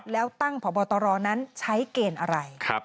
แล้วตั้งพบตรนั้นใช้เกณฑ์อะไร